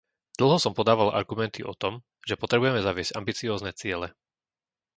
Dlho som podával argumenty o tom, že potrebujeme zaviesť ambiciózne ciele.